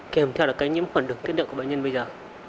kèm theo là cái nhiễm khuẩn được thiết thực của bệnh nhân bây giờ